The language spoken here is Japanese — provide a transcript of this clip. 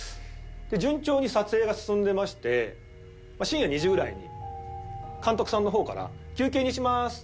順調に撮影が進んでまして深夜２時ぐらいに監督さんの方から「休憩にします」。